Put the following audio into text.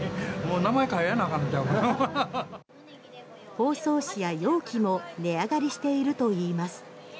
包装紙や容器も値上がりしているといいます。